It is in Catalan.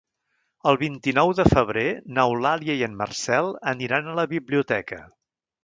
El vint-i-nou de febrer n'Eulàlia i en Marcel aniran a la biblioteca.